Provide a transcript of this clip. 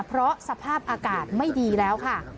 เพราะสภาพอากาศไม่ดีแล้วค่ะ